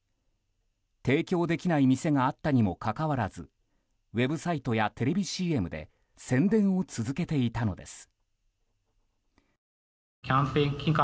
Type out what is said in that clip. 提供できない店があったにもかかわらずウェブサイトやテレビＣＭで宣伝を続けていたのです。